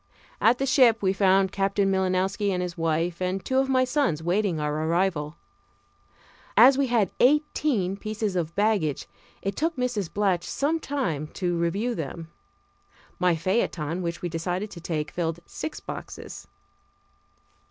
At the ship we found Captain Milinowski and his wife and two of my sons waiting our arrival. As we had eighteen pieces of baggage it took Mrs. Blatch some time to review them. My phaeton, which we decided to take, filled six boxes.